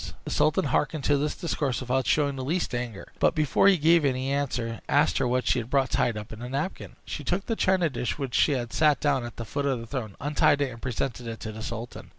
The sultan hearkened to this discourse without showing the least anger; but, before he gave her any answer, asked her what she had brought tied up in the napkin. She took the china dish, which she had set down at the foot of the throne, untied it, and presented it to the sultan.